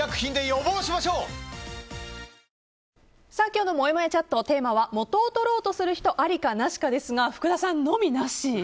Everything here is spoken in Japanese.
今日のもやもやチャットのテーマは元を取ろうとする人ありかなしかですが福田さんのみなし。